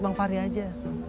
bang faria aja